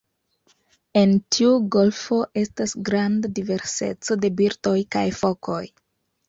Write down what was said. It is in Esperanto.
En tiu golfo estas granda diverseco de birdoj kaj fokoj.